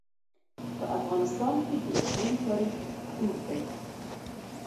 په افغانستان کې د اقلیم تاریخ اوږد دی.